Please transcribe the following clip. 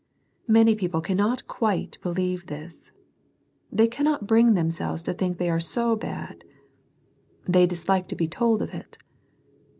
Many people cannot quite believe this: they cannot bring themselves to think they are so bad : they dislike to be told of it.